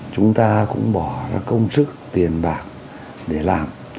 chúng ta cũng bỏ ra công sức tiền bạc để làm